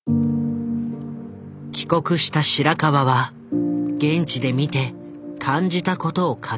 帰国した白川は現地で見て感じたことを書き始めた。